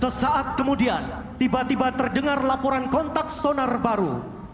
sesaat kemudian tiba tiba terdengar laporan kontak sonar baru